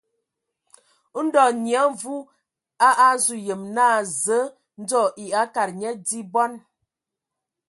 Ndɔ Nyia Mvu a azu yem naa Zǝǝ ndzo e akad nye di bɔn.